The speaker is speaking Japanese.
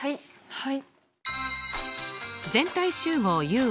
はい。